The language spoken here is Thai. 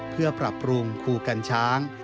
เพื่อปรับปรุงคู่กันช้าง